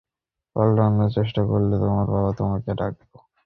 পালানোর চেষ্টা করলে, তোমার বাবা মাকে ডাকবো!